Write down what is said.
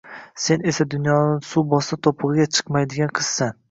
Sen esa dunyoni suv bossa, to`pig`iga chiqmaydigan qizsan